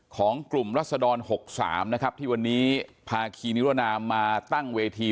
ของกลุ่มรัศดร๖๓นะครับที่วันนี้พาคีนิรนามมาตั้งเวที